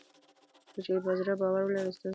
کله چې په زړه باور ولرو ستونزې فرصت کیږي.